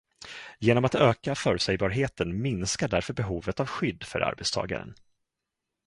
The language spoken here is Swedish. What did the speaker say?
Genom att öka förutsägbarheten minskar därför behovet av skydd för arbetstagaren.